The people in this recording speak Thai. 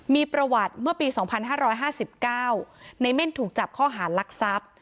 มีประวัติเมื่อปีสองพันห้าร้อยห้าสิบเก้าในเม่นถูกจับข้อหารลักษัพ